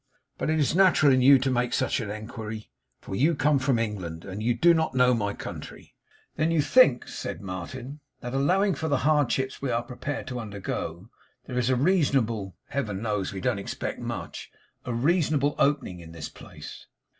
But it is nat'ral in you to make such an enquerry, for you come from England, and you do not know my country.' 'Then you think,' said Martin, 'that allowing for the hardships we are prepared to undergo, there is a reasonable Heaven knows we don't expect much a reasonable opening in this place?